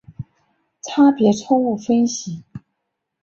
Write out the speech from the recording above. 差别错误分析。